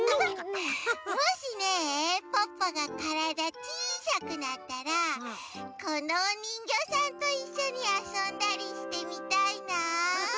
もしねポッポがからだちいさくなったらこのおにんぎょうさんといっしょにあそんだりしてみたいな。